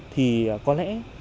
thì có lẽ